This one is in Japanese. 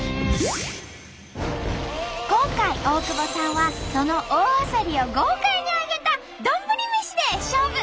今回大久保さんはその大あさりを豪快に揚げた丼飯で勝負！